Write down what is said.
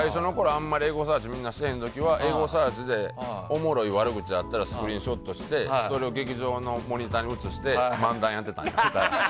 あんまりエゴサーチみんながしてへん時は、エゴサーチでおもろい悪口あったらスクリーンショットしてそれを劇場のモニターに映して漫談やってたんよ。